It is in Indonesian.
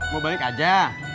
mau balik aja